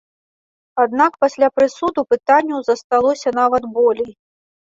Аднак пасля прысуду пытанняў засталося нават болей.